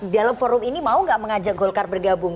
dalam forum ini mau gak mengajak golkar bergabung